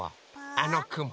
あのくも。